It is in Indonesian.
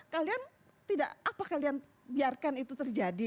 kalian tidak apa kalian biarkan itu terjadi